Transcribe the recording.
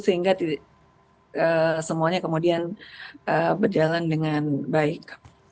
sehingga semuanya kemudian berjalan dengan baik